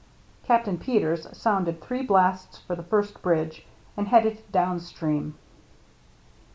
Captain Peters sounded 26 THE MERRT ANNE three blasts for the first bridge, and headed down stream.